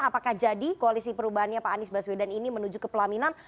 apakah jadi koalisi perubahannya pak anies baswedan ini menuju ke pelaminan